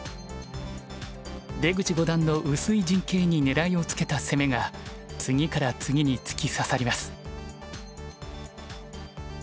出口五段の薄い陣形に狙いをつけた攻めが次から次に突き刺さります。